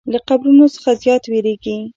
له قبرونو څخه زیات ویریږي.